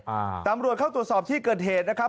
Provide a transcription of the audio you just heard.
อ่าตำรวจเข้าตรวจสอบที่เกิดเหตุนะครับ